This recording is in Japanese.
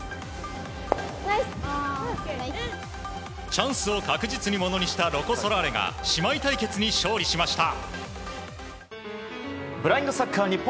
チャンスを確実にものにしたロコ・ソラーレが姉妹対決に勝利しました。